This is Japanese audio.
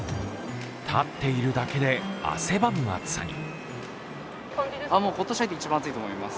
立っているだけで汗ばむ暑さに。